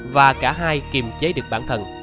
và cả hai kiềm chế được bản thân